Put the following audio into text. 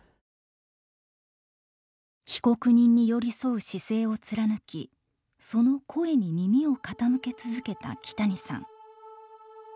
被告人に寄り添う姿勢を貫きその声に耳を傾け続けた木谷さん。